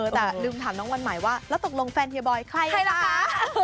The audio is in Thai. แต่ลืมถามน้องวันใหม่ว่าแล้วตกลงแฟนเฮียบอยใครล่ะคะ